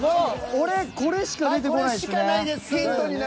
俺これしか出てこないですね。